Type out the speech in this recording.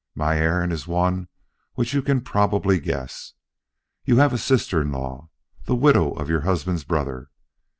My errand is one which you can probably guess. You have a sister in law, the widow of your husband's brother.